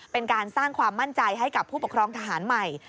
เป็นการสร้างความมั่นใจให้กับผู้ปกครองทหารใหม่